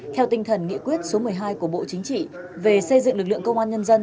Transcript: theo tinh thần nghị quyết số một mươi hai của bộ chính trị về xây dựng lực lượng công an nhân dân